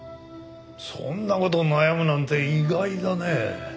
そんな事を悩むなんて意外だね。